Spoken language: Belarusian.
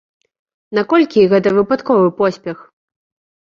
Наколькі гэта выпадковы поспех?